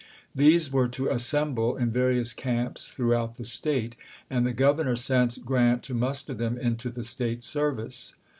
These were to assemble in various camps throughout the State, and the Governor sent Grant to muster them into the State service.